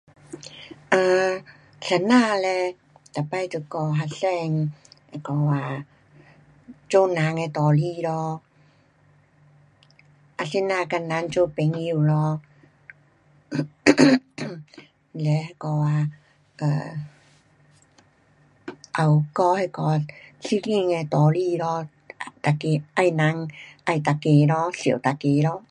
um 先生嘞，每次都教学生，那个啊，做人的道理咯，啊怎样跟人做朋友咯，um 嘞那个啊，um 也有教那个圣经的道理咯，每个爱人，爱每个咯，疼每个咯。